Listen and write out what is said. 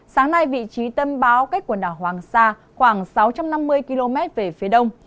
sáng nay vị trí tâm báo cách quần đảo hoàng sa khoảng sáu trăm năm mươi km về phía đông